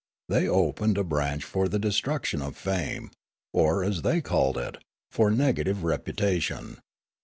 They opened a branch for the destruction of fame, or, as they called it, for negative reputation.